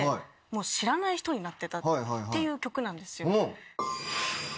知らない人になってたっていう曲なんですよ。